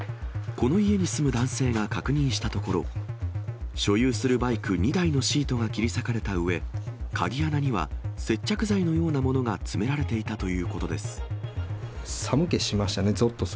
この家に住む男性が確認したところ、所有するバイク２台のシートが切り裂かれたうえ、鍵穴には、接着剤のようなものが詰められていたということです。